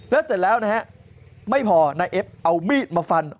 แล้วเสร็จแล้วนะฮะไม่พอนายเอฟเอามีดมาฟัน